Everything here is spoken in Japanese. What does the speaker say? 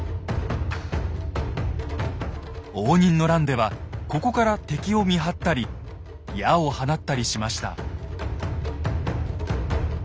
応仁の乱ではここから敵を見張ったり矢を放ったりしました。